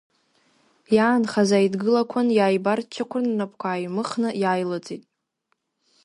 Иаанхаз ааидгылақәан, иааибарччақәан, рнапқәа ааимыхны, иааилыҵит.